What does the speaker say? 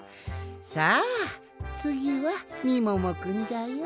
さあつぎはみももくんじゃよ。